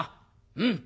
うん！